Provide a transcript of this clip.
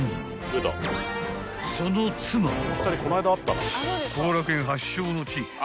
［その妻は］